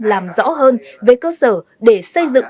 làm rõ hơn về cơ sở để xây dựng